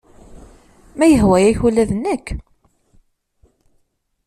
Ma yehwa-yak ula d nekk.